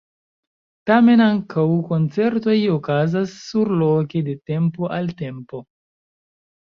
Tamen ankaŭ koncertoj okazas surloke de tempo al tempo.